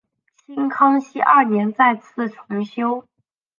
清康熙二年再次重修。